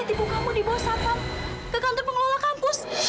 tadi aku lihat ibu kamu dibawa sapang ke kantor pengolah kampus